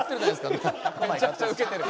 「めちゃくちゃウケてる」